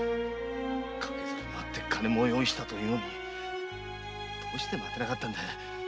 駆けずり廻って金も用意したというのにどうして待てなかったんだ。